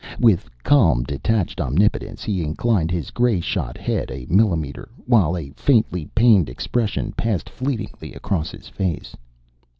With calm, detached omnipotence he inclined his grey shot head a millimeter, while a faintly pained expression passed fleetingly across his face.